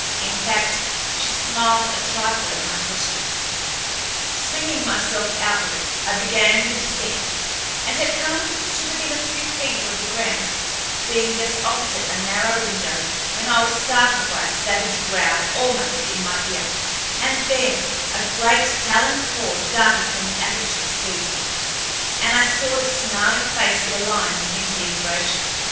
In fact, she smiled a trifle at my question. Swinging myself outward, I began the descent, and had come to within a few feet of the ground, being just opposite a narrow window, when I was startled by a savage growl almost in my ear, and then a great taloned paw darted from the aperture to seize me, and I saw the snarling face of a lion within the embrasure.